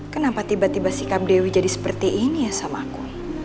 kenapa tiba tiba sikap dewi jadi seperti ini ya sama aku